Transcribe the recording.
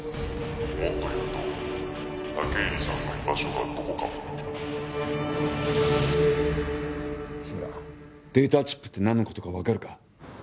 もっと言うと武入さんの居場所がどこかも志村データチップって何のことか分かるか？